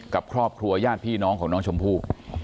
กับครอบครัวญาติพี่น้องของน้องชมพู่